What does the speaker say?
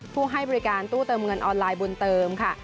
ให้บริการตู้เติมเงินออนไลน์บุญเติมค่ะ